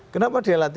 kenapa dia latih